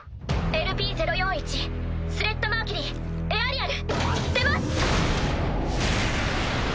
ＬＰ０４１スレッタ・マーキュリーエアリアル出ます！